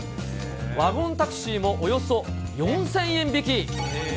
ワゴンタクシーもおよそ４０００円引き。